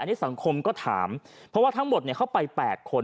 อันนี้สังคมก็ถามเพราะว่าทั้งหมดเข้าไป๘คน